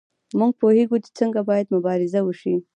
موږ پوهیږو چې څنګه باید مبارزه وشي.